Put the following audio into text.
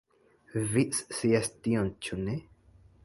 Vi scias tion ĉu ne?